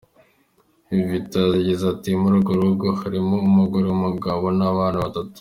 Vita yagize ati “Muri urwo rugo harimo umugore, umugabo n’abana batatu.